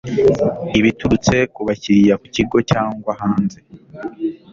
ibiturutse ku bakiriya ku kigo cyangwa hanze